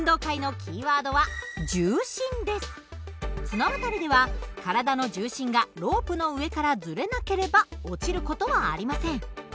綱渡りでは体の重心がロープの上からずれなければ落ちる事はありません。